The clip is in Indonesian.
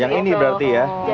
yang ini berarti ya